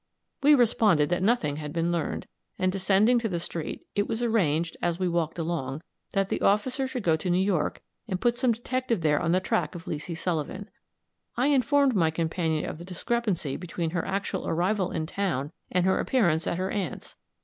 We responded that nothing had been learned, and descending to the street, it was arranged, as we walked along, that the officer should go to New York and put some detective there on the track of Leesy Sullivan. I informed my companion of the discrepancy between her actual arrival in town and her appearance at her aunt's.